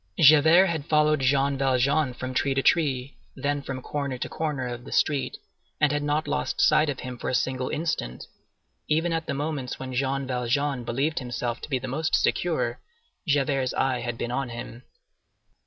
Javert had followed Jean Valjean from tree to tree, then from corner to corner of the street, and had not lost sight of him for a single instant; even at the moments when Jean Valjean believed himself to be the most secure Javert's eye had been on him.